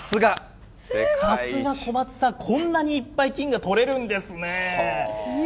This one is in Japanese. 小松さん、こんなにいっぱい金が採れるんですね。